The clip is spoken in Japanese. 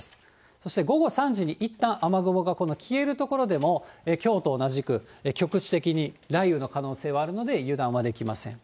そして午後３時にいったん雨雲がこの消える所でもきょうと同じく、局地的に雷雨の可能性はあるので、油断はできません。